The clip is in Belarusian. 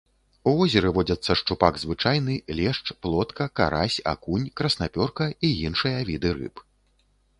У возеры водзяцца шчупак звычайны, лешч, плотка, карась, акунь, краснапёрка і іншыя віды рыб.